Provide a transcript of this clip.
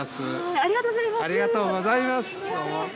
ありがとうございます。